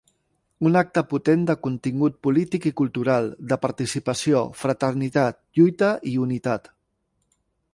Un acte potent de contingut polític i cultural, de participació, fraternitat, lluita i unitat.